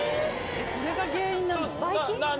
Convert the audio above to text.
これが原因なの？